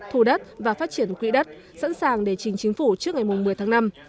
thu đất và phát triển quỹ đất sẵn sàng để trình chính phủ trước ngày một mươi tháng năm